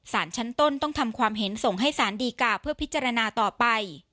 สารชั้นต้นต้องทำความเห็นส่งให้สารดีกาเพื่อพิจารณาต่อไป